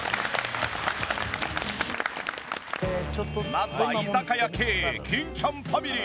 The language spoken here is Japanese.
まずは居酒屋経営金ちゃんファミリー。